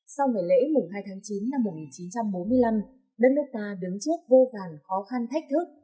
sau ngày lễ hai tháng chín năm một nghìn chín trăm bốn mươi năm đất nước ta đứng trước vô vàn khó khăn thách thức